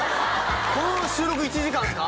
この収録１時間ですか？